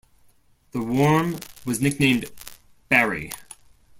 The worm was nicknamed "Barry".